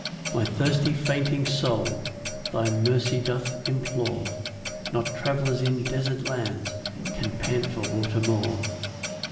2 My thirsty fainting soul Thy mercy doth implore; Not travellers in desert lands Can pant for water more.